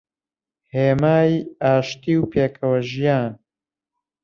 هێمای ئاشتی و پێکەوەژیان